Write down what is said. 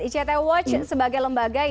ict watch sebagai lembaga yang eee